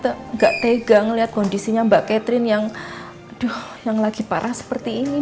tapi sebenarnya tante tidak tegang melihat kondisinya mbak catherine yang lagi parah seperti ini